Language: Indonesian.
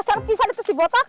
kasar pisah itu si botak